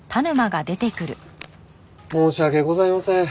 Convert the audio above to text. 申し訳ございません。